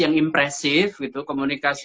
yang impresif komunikasi